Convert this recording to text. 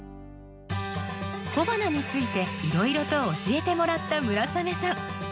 小花についていろいろと教えてもらった村雨さん。